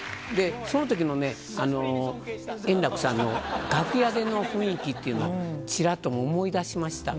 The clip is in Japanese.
そのときのね、円楽さんの楽屋での雰囲気というの、ちらっと思い出しました。